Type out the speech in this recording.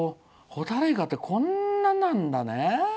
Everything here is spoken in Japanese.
ホタルイカってこんななんだね。